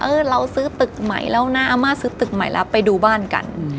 เราซื้อตึกใหม่แล้วนะอาม่าซื้อตึกใหม่แล้วไปดูบ้านกัน